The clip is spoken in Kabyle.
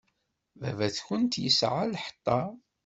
Baba-tkent yesɛa lḥeṭṭa.